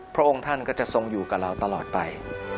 พระองค์ท่านก็จะทรงอยู่กับเราตลอดไป